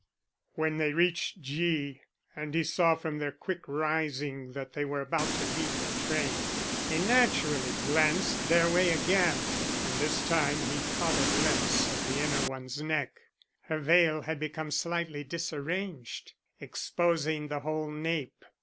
When they reached G and he saw from their quick rising that they were about to leave the train, he naturally glanced their way again, and this time he caught a glimpse of the inner one's neck. Her veil had become slightly disarranged, exposing the whole nape.